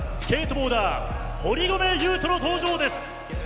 ボーダー堀米雄斗の登場です。